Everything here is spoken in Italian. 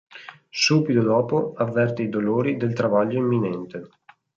Subito dopo avverte i dolori del travaglio imminente.